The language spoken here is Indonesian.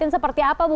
seperti apa ibu